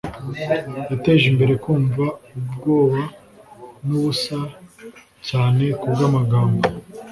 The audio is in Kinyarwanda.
yateje imbere kumva ubwoba nubusa cyane kubwamagambo